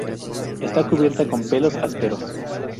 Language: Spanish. Está cubierta con pelos ásperos.